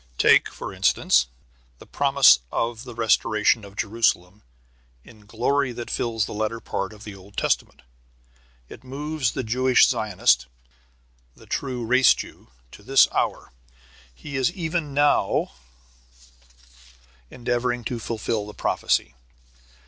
Take, for instance, the promise of the restoration of Jerusalem in glory that fills the latter part of the Old Testament. It moves the Jewish Zionist, the true race Jew, to this hour. He is even now endeavoring to fulfil the prophecy.